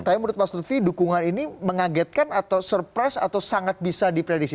tapi menurut mas lutfi dukungan ini mengagetkan atau surprise atau sangat bisa diprediksi